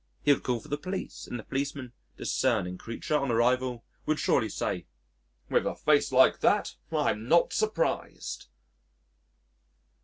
He would call for the police and the policeman discerning creature on arrival, would surely say, "With a face like that, I'm not surprised."